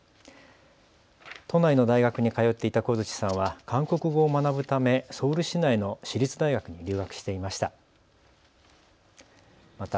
都内の大学に通っていた小槌さんは韓国語を学ぶためソウル市内の私立大学に留学していました。